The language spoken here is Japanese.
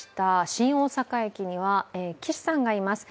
新大阪駅には岸さんがいます。